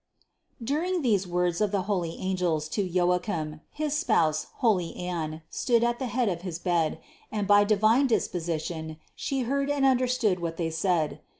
670. During these words of the holy angels to Joachim, his spouse, holy Anne, stood at the head of his bed and by divine disposition She heard and understood what they said.